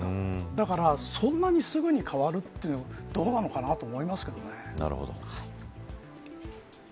だから、そんなにすぐ変わるのはどうなのかなと思いますね。